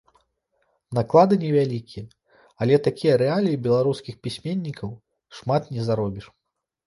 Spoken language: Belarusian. Наклады не вялікія, але такія рэаліі беларускіх пісьменнікаў, шмат не заробіш.